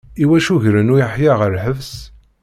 Iwacu gren Uyeḥya ɣer lḥebs?